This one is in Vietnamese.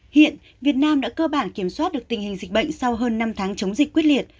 hiện việt nam đã cơ bản kiểm soát được tình hình dịch bệnh sau hơn năm tháng chống dịch quyết liệt